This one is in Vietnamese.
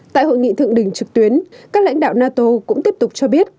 tại hội nghị thượng đỉnh trực tuyến các lãnh đạo nato cũng tiếp tục cho biết